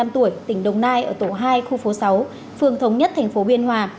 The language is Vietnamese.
hai mươi năm tuổi tỉnh đồng nai tổ hai khu phố sáu phường thống nhất tp biên hòa